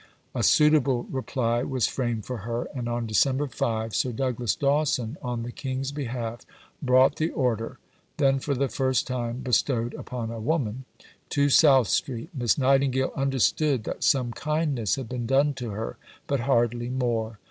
A suitable reply was framed for her, and on December 5, Sir Douglas Dawson, on the King's behalf, brought the Order then for the first time bestowed upon a woman to South Street. Miss Nightingale understood that some kindness had been done to her, but hardly more.